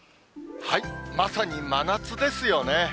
まさに真夏ですよね。